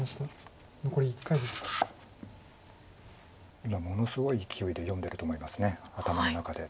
今ものすごい勢いで読んでると思います頭の中で。